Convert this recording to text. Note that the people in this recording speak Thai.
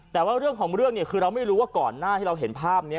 แต่ว่าเรื่องของเรื่องเนี่ยคือเราไม่รู้ว่าก่อนหน้าที่เราเห็นภาพนี้